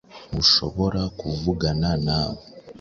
Ntushobora kuvugana nawe